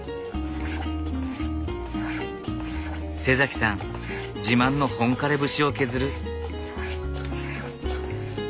さん自慢の本枯節を削る。